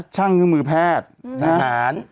ช่างมือแพทย์